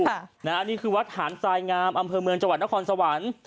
อันนี้คือวัดหานทรายงามอำเภอเมืองจังหวัดนครสวรรค์